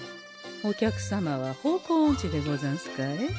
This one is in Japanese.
お客様は方向おんちでござんすかえ？